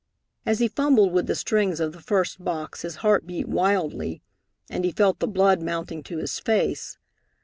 As he fumbled with the strings of the first box his heart beat wildly, and he felt the blood mounting to his face.